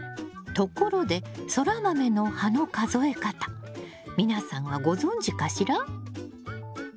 ところでソラマメの葉の数え方皆さんはご存じかしら？